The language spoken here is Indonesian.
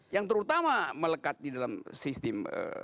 yang terutama melekat di dalam sistem